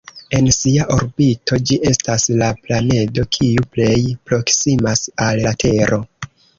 En sia orbito, ĝi estas la planedo kiu plej proksimas al la Tero.